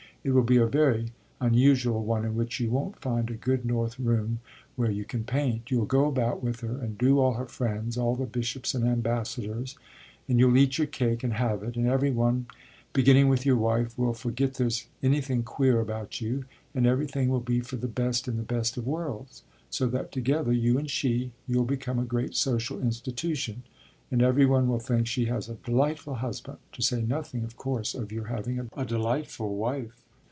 It will be a very unusual one in which you won't find a good north room where you can paint. You'll go about with her and do all her friends, all the bishops and ambassadors, and you'll eat your cake and have it, and every one, beginning with your wife, will forget there's anything queer about you, and everything will be for the best in the best of worlds; so that, together you and she you'll become a great social institution and every one will think she has a delightful husband; to say nothing of course of your having a delightful wife.